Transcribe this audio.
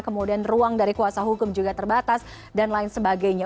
kemudian ruang dari kuasa hukum juga terbatas dan lain sebagainya